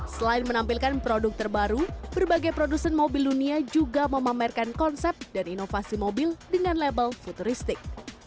selain menampilkan produk terbaru berbagai produsen mobil dunia juga memamerkan konsep dan inovasi mobil dengan label futuristik